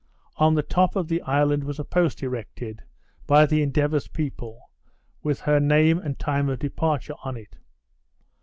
On the top of the island was a post erected, by the Endeavour's people, with her name and time of departure on it.